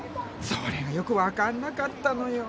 それがよく分かんなかったのよ。